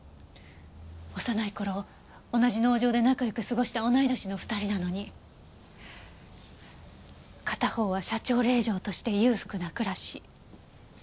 幼い頃同じ農場で仲良く過ごした同い年の２人なのに片方は社長令嬢として裕福な暮らし。